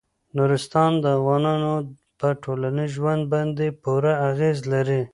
نورستان د افغانانو په ټولنیز ژوند باندې پوره اغېز لري.